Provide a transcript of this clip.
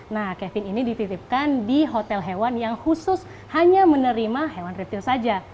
nah kevin ini dititipkan di hotel hewan yang khusus hanya menerima hewan retail saja